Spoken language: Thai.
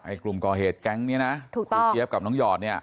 กลุ่มก่อเหตุแก๊งนี้นะถูกต้องคุณเจี๊ยบกับน้องหยอดเนี่ย